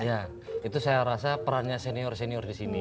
ya itu saya rasa perannya senior senior di sini